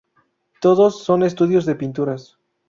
Todos son estudios de pinturas.